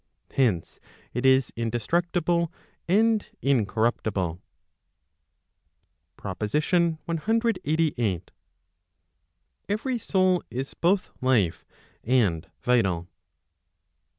Hence, it is indestructible and incorruptible. PROPOSITION CLXXXVIII. Every soul is both life and vital.